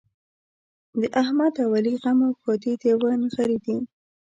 د احمد او علي غم او ښادي د یوه نغري دي.